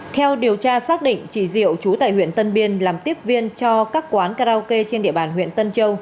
theo điều tra xác định chị diệu chú tại huyện tân biên làm tiếp viên cho các quán karaoke trên địa bàn huyện tân châu